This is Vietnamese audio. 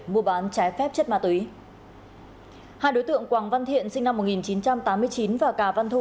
mua bán trái phép chất ma túy hai đối tượng quảng văn thiện sinh năm một nghìn chín trăm tám mươi chín và cà văn thu